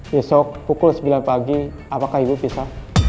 besok pukul sembilan pagi apakah ibu bisa